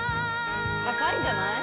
高いんじゃない？